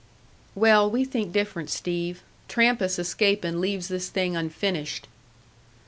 "Well, we think different, Steve. Trampas escaping leaves this thing unfinished."